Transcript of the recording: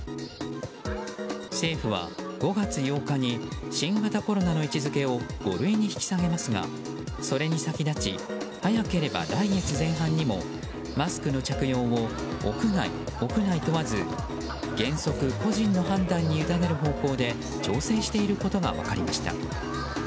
政府は５月８日に新型コロナの位置づけを５類に引き下げますがそれに先立ち早ければ来月前半にもマスクの着用を屋外・屋内問わず原則、個人の判断に委ねる方向で調整していることが分かりました。